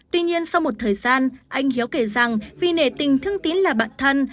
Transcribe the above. tuy nhiên sau một thời gian anh hiếu kể rằng vì nể tình thương tín là bạn thân